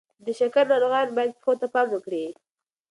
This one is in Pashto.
د شکر ناروغان باید پښو ته پام وکړي.